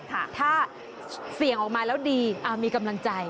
ถ้าเสี่ยงออกมาแล้วดีมีกำลังใจ